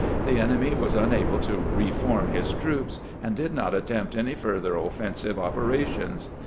The enemy was unable to reform his troops, and did not attempt any further offensive oper ations.